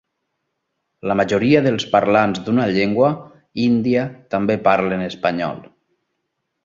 La majoria dels parlants d'una llengua índia també parlen espanyol.